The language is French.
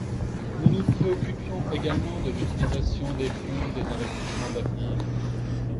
Nous nous préoccupions également de l’utilisation des fonds des investissements d’avenir.